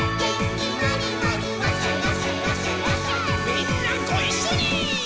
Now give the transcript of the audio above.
「みんなごいっしょにー！」